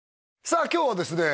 さあ今日はですね